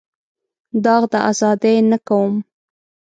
داغ د ازادۍ نه کوم.